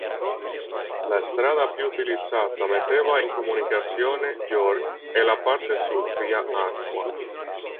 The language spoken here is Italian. La strada più utilizzata metteva in comunicazione York e la parte sud via acqua.